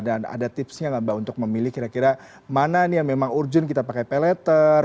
dan ada tipsnya gak mbak untuk memilih kira kira mana nih yang memang urgent kita pakai pay letter